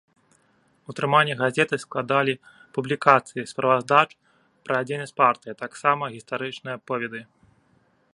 Утрыманне газеты складалі публікацыі справаздач пра дзейнасць партыі, а таксама гістарычныя аповеды.